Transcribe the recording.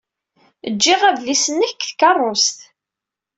Jjiɣ adlis-nnek deg tkeṛṛust.